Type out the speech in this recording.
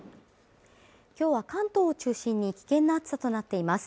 今日は関東を中心に危険な暑さとなっています